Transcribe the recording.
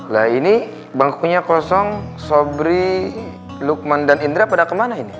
nah ini bangkunya kosong sobri lukman dan indra pada kemana ini